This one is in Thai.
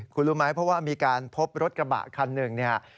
คุณรู้ไหมเพราะว่ามีการพบรถกระบะคันหนึ่งเนี่ย